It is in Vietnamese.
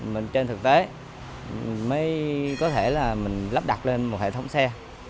mình trên thực tế mới có thể là mình lắp đặt lên một hệ thống xe